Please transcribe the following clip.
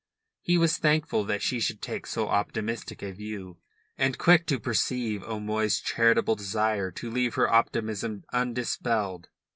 He was thankful that she should take so optimistic a view, and quick to perceive O'Moy's charitable desire to leave her optimism undispelled.